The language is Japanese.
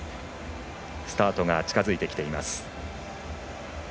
スタートが近づいてきています。